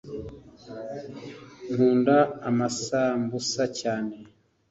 Nkunda amasambusa cyane